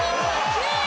９位！？